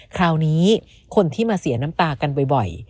คราวนี้คนที่มาเสียน้ำตากันบ่อย